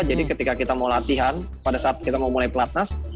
jadi ketika kita mau latihan pada saat kita mau mulai platnas